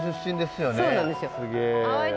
すげえ。